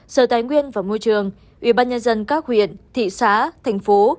sở tài nguyên và môi trường ủy ban nhân dân các huyện thị xã thành phố